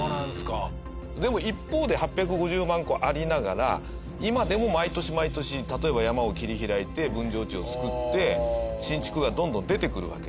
でも一方で８５０万戸ありながら今でも毎年毎年例えば山を切り開いて分譲地を造って新築がどんどん出てくるわけですよ。